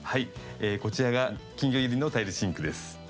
こちらが金魚入りのタイルシンクです。